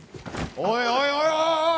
おいおいおいおい！